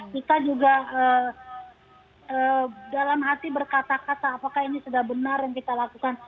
kita juga dalam hati berkata kata apakah ini sudah benar yang kita lakukan